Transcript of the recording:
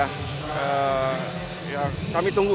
kami tunggu baru bisa komentar lebih lanjut